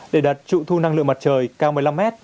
để đặt trụ thu năng lượng mặt trời cao một mươi năm mét